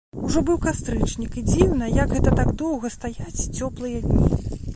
Ужо быў кастрычнік, і дзіўна, як гэта так доўга стаяць цёплыя дні.